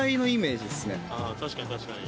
あ確かに確かに。